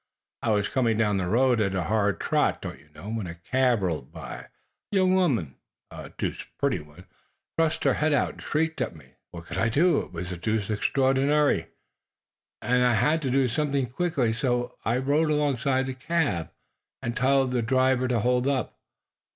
"I was coming down the road at a hard trot, don't you know, when a cab rolled by. A young woman and a deuced pretty one thrust her head out and shrieked at me. What could I do? It was deuced extraordinary, and I had to do something quickly, so I rode alongside the cab and told the driver to hold up.